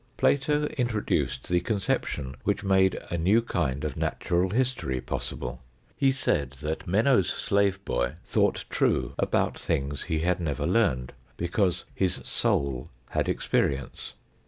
Plato introduced the conception which made a new kind of natural history possible. He said that Meno's slave boy thought true about things he had never learned, because his " soul " had experience.